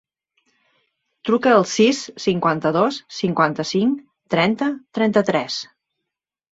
Truca al sis, cinquanta-dos, cinquanta-cinc, trenta, trenta-tres.